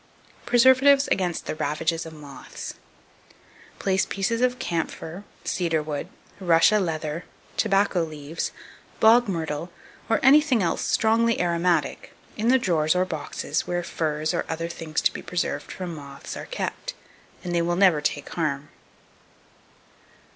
Preservatives against the Ravages of Moths. 2285. Place pieces of camphor, cedar wood, Russia leather, tobacco leaves, bog myrtle, or anything else strongly aromatic, in the drawers or boxes where furs or other things to be preserved from moths are kept, and they will never take harm.